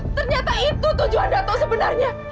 ternyata itu tujuan dato sebenarnya